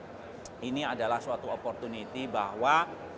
dan tentu saja ini adalah suatu opportunity bahwa